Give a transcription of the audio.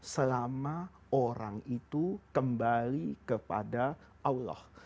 selama orang itu kembali kepada allah